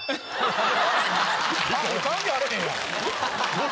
関係あれへんやん。